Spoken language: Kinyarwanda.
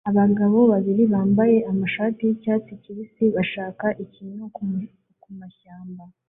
Abagabo babiri bambaye amashati yicyatsi kibisi bashaka ikintu kumashyamba